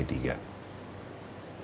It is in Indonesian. pak ganjar ini